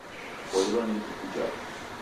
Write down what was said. Poilwa ituku jako!